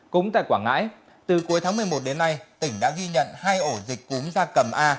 cũng tại quảng ngãi từ cuối tháng một mươi một đến nay tỉnh đã ghi nhận hai ổ dịch cúm da cầm a